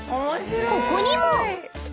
［ここにも］